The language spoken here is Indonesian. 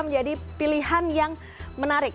menjadi pilihan yang menarik